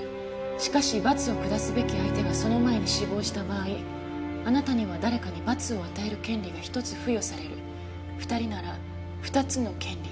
「しかし罰を下すべき相手がその前に死亡した場合あなたには“誰かに罰を与える権利”が一つ付与される」「二人なら二つの権利・・・」